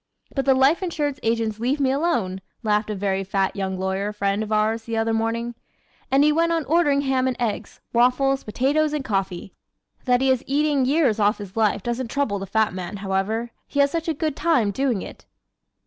But the life insurance agents leave me alone!" laughed a very fat young lawyer friend of ours the other morning and he went on ordering ham and eggs, waffles, potatoes and coffee! That he is eating years off his life doesn't trouble the fat man, however. He has such a good time doing it!